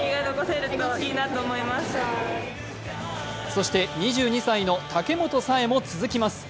そして２２歳の武本紗栄も続きます。